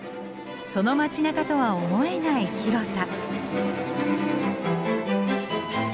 その街なかとは思えない広さ。